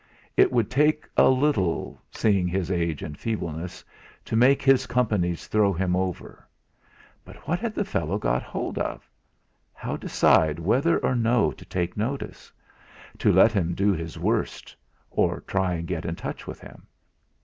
It would take little, seeing his age and feebleness, to make his Companies throw him over. But what had the fellow got hold of? How decide whether or no to take notice; to let him do his worst, or try and get into touch with him?